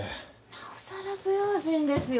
なおさら不用心ですよ。